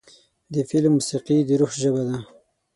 د فلم موسیقي د روح ژبه ده.